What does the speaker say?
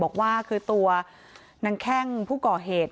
บอกว่าคือตัวนางแข้งผู้ก่อเหตุ